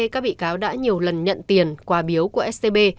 các bị cáo đã nhiều lần nhận tiền quà biếu của scb